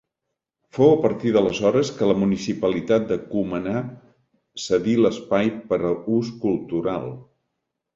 Fou a partir d'aleshores que la municipalitat de Cumaná cedí l'espai per a ús cultural.